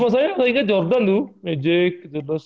masanya kayaknya jordan tuh magic